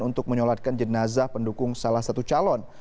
untuk menyolatkan jenazah pendukung salah satu calon